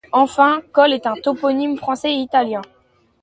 Enfin, Colle est un toponyme français et italien.